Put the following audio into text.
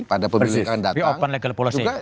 pada pemilu yang akan datang